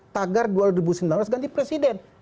tagar dua ribu sembilan belas ganti presiden